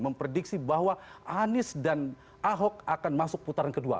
memprediksi bahwa anies dan ahok akan masuk putaran kedua